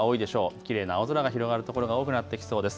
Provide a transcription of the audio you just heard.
きれいな青空が広がる所が多くなってきそうです。